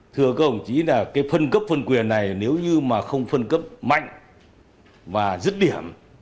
thưa các ông chí là cái phân cấp phân quyền này nếu như mà không phân cấp mạnh và dứt điểm